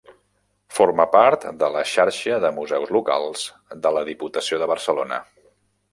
Forma part de la Xarxa de Museus Locals de la Diputació de Barcelona.